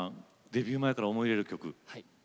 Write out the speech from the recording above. デビュー前から思い入れる曲。